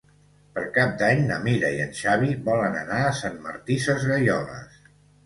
Per Cap d'Any na Mira i en Xavi volen anar a Sant Martí Sesgueioles.